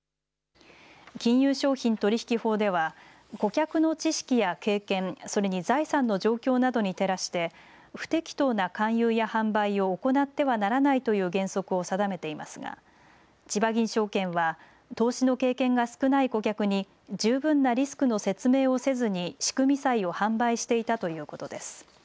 金融商品取引法では顧客の知識や経験、それに財産の状況などに照らして不適当な勧誘や販売を行ってはならないという原則を定めていますが、ちばぎん証券は投資の経験が少ない顧客に十分なリスクの説明をせずに仕組み債を販売していたということです。